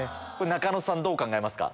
中野さんどう考えますか？